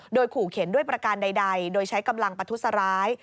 โดยขู่เข็นด้วยประการใดโดยใช้กำลังประทุษร้าย